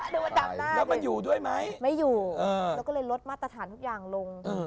ดูว่าจำหน้าขึ้นไม่อยู่แล้วก็เลยลดมาตรฐานทุกอย่างลงแล้วก็เลยลดมาตรฐานทุกอย่างลง